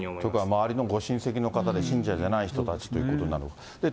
周りのご親戚の方で、信者じゃない人たちということですね。